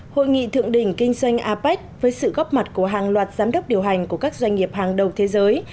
hội nghị thượng đỉnh kinh doanh apec với sự góp mặt của hàng loạt giám đốc điều hành của các doanh nghiệp hàng đầu thế giới